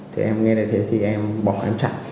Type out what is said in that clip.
thế em nghe thấy thế thì em bỏ em chạy